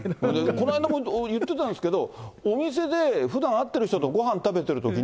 この間言ってたんですけど、お店でふだん会ってる人とごはん食べてるとき。